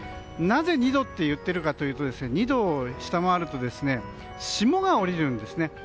なぜ２度と言っているかというと２度を下回ると霜が降りるんですね。